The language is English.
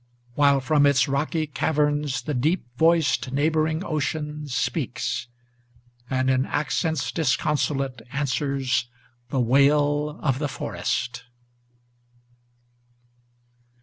While from its rocky caverns the deep voiced, neighboring ocean Speaks, and in accents disconsolate answers the wail of the forest.